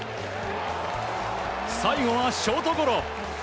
最後はショートゴロ。